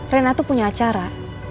rena tuh punya acara